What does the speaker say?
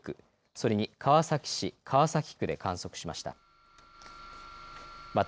それに川崎市川崎区で観測しました。